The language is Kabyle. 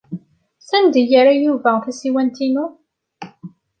Sanda ay yerra Yuba tasiwant-inu?